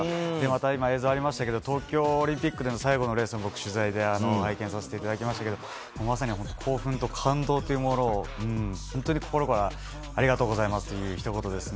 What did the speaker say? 今、映像ありましたが東京オリンピックでの最後のレースでの取材で拝見させていただきましたがまさに興奮と感動というものを本当に心からありがとうございますというひと言です。